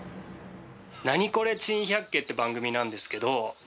『ナニコレ珍百景』って番組なんですけど。